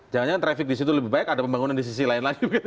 jangan jangan traffic di situ lebih baik ada pembangunan di sisi lain lagi